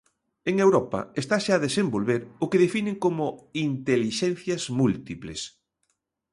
En Europa estase a desenvolver o que definen como 'intelixencias múltiples'.